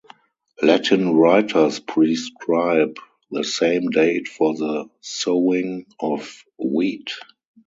Latin writers prescribe the same date for the sowing of wheat.